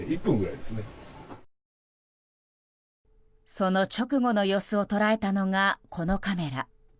その直後の様子を捉えたのがこのカメラ。